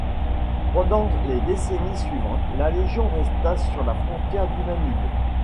Pendant les décennies suivantes, la légion resta sur la frontière du Danube.